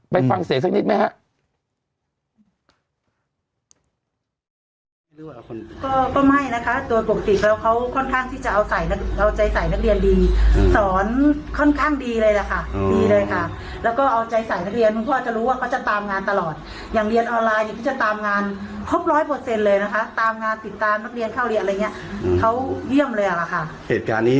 ไปฟังเสียงสักนิดมั้ยครับ